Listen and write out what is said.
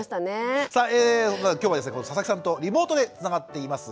さあ今日はですね佐々木さんとリモートでつながっています。